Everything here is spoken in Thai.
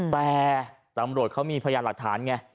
แต่ตำรวจเขามีพยานหลักฐานไง